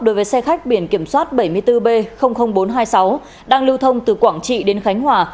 đối với xe khách biển kiểm soát bảy mươi bốn b bốn trăm hai mươi sáu đang lưu thông từ quảng trị đến khánh hòa